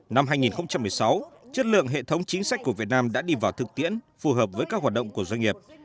năm hai nghìn một mươi sáu chất lượng hệ thống chính sách của việt nam đã đi vào thực tiễn phù hợp với các hoạt động của doanh nghiệp